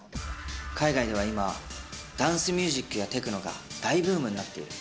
海外では今、ダンスミュージックやテクノが大ブームになっている。